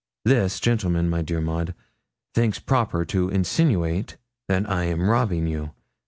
'This gentleman, my dear Maud, thinks proper to insinuate that I am robbing you.